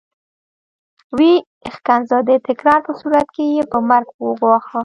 ويې ښکنځه د تکرار په صورت کې يې په مرګ وګواښه.